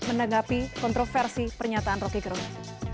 menanggapi kontroversi pernyataan roky gerung